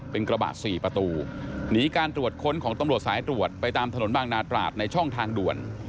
เป็นกระบะ๔ประตูหนีการตรวจค้นของตำรวจสายตรวจไปตามถนนบางนาตราดในช่องทางด่วน